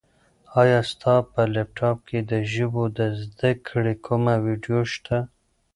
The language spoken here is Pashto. ایا ستا په لیپټاپ کي د ژبو د زده کړې کومه ویډیو شته؟